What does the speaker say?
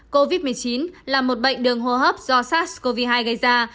covid một mươi chín là một bệnh đường hô hấp do sars cov hai gây ra